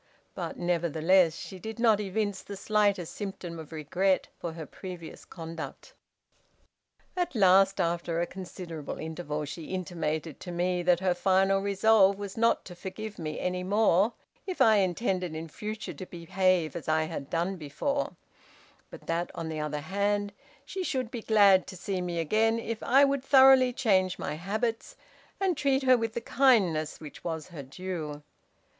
But, nevertheless, she did not evince the slightest symptom of regret for her previous conduct. "At last, after a considerable interval, she intimated to me that her final resolve was not to forgive me any more if I intended in future to behave as I had done before; but that, on the other hand, she should be glad to see me again if I would thoroughly change my habits, and treat her with the kindness which was her due.